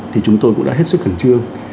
thì chúng tôi cũng đã hết sức khẩn trương